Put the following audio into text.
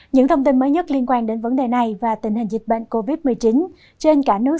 những thông tin mới nhất liên quan đến vấn đề này và tình hình dịch bệnh covid một mươi chín trên cả nước